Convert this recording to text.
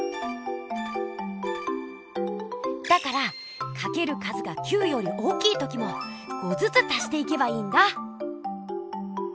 だからかける数が９より大きい時も５ずつ足していけばいいんだ！